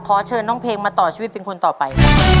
ขอเชิญน้องเพลงมาต่อชีวิตเป็นคนต่อไป